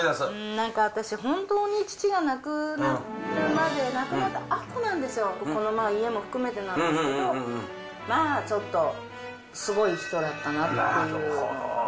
なんか、私、本当に父が亡くなったあとなんですよ、ここの家も含めてなんですけど、まあちょっと、すごい人だったななるほど。